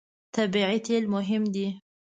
طبیعي تېل مهم دي.